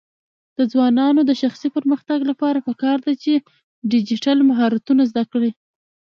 د ځوانانو د شخصي پرمختګ لپاره پکار ده چې ډیجیټل مهارتونه زده کړي.